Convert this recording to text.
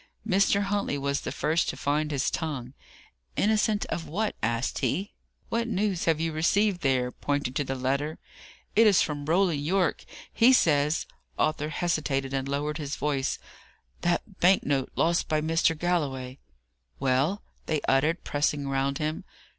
Mr. Huntley was the first to find his tongue. "Innocent of what?" asked he. "What news have you received there?" pointing to the letter. "It is from Roland Yorke. He says" Arthur hesitated, and lowered his voice "that bank note lost by Mr. Galloway " "Well?" they uttered, pressing round him.